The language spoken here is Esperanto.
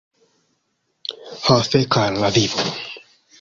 Ha fek al la vivo!